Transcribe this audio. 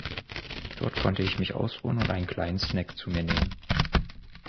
Dort konnte ich mich ausruhen und einen kleinen Snack zu mir nehmen.